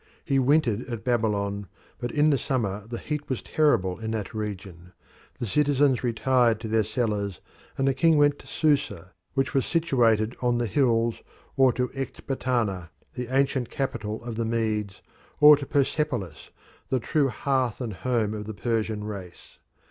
He wintered at Babylon, but in the summer the heat was terrible in that region; the citizens retired to their cellars, and the king went to Susa, which was situated on the hills, or to Ecbatana, the ancient capital of the Medes, or to Persepolis, the true hearth and home of the Persian race.